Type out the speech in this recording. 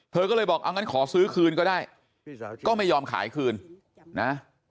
เธอก็เลยบอกเอางั้นขอซื้อคืนก็ได้ก็ไม่ยอมขายคืนนะ